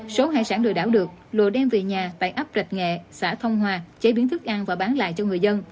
số hải sản lừa đảo được lùa đem về nhà tại ấp rạch nghệ xã thông hòa chế biến thức ăn và bán lại cho người dân